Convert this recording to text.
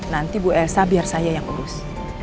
nanti bu elsa biar saya yang urus